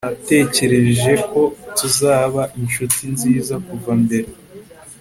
natekereje ko tuzaba inshuti nziza kuva mbere